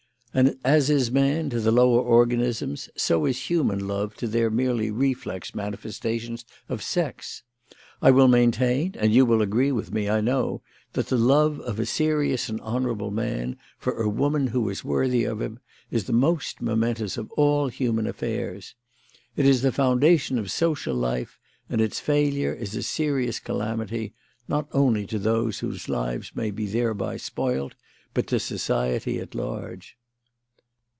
And as is man to the lower organisms, so is human love to their merely reflex manifestations of sex. I will maintain, and you will agree with me, I know, that the love of a serious and honourable man for a woman who is worthy of him is the most momentous of all human affairs. It is the foundation of social life, and its failure is a serious calamity, not only to those whose lives may be thereby spoilt, but to society at large."